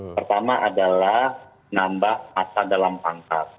pertama adalah nambah masa dalam pangkat